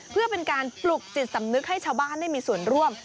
เพื่อเป็นการปลุกจิตสำนึกให้ชาวบ้านได้มีส่วนร่วม